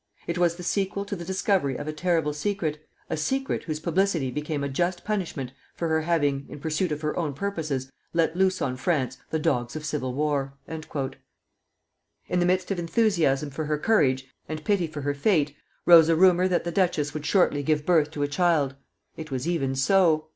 It was the sequel to the discovery of a terrible secret, a secret whose publicity became a just punishment for her having, in pursuit of her own purposes, let loose on France the dogs of civil war." In the midst of enthusiasm for her courage and pity for her fate, rose a rumor that the duchess would shortly give birth to a child. It was even so.